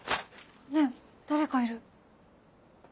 ねぇ誰かいる。